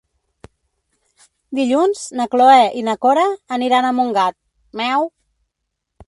Dilluns na Cloè i na Cora aniran a Montgat.